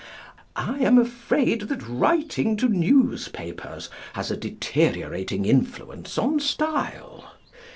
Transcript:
I am afraid that writing to newspapers has a deteriorating influence on style.